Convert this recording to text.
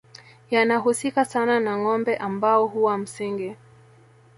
yanahusika sana na ngombe ambao huwa msingi